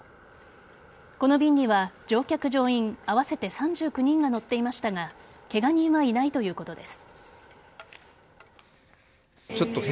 この便には乗客・乗員合わせて３９人が乗っていましたがケガ人はいないということです。